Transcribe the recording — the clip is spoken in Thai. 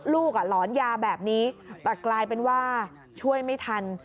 หลอนยาแบบนี้แต่กลายเป็นว่าช่วยไม่ทัน